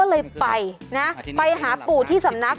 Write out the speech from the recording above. ก็เลยไปนะไปหาปู่ที่สำนัก